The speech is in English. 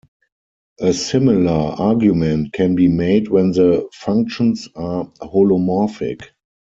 A similar argument can be made when the functions are holomorphic.